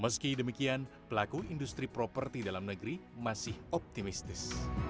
meski demikian pelaku industri properti dalam negeri masih optimistis